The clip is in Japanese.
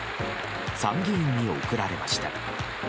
参議院に送られました。